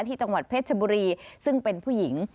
ที่จังหวัดเพชรชบุรีซึ่งเป็นผู้หญิง